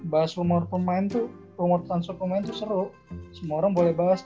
bahas rumor transfer pemain tuh seru semua orang boleh bahas